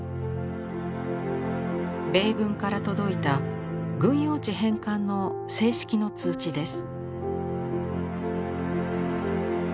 米軍から届いた軍用地返還の正式の通知です。